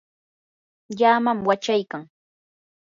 llamam wachaykan.